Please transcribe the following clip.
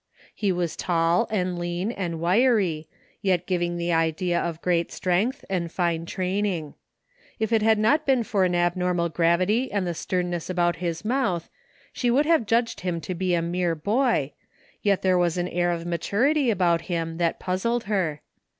He was tall and lean and wiry, yet giving the idea of great strength and fine training. If it had not been for an abnormal gravity and the sternness about his mouth she would have judged him to be a mere boy, yet there was an air of maturity about him that puzzled her.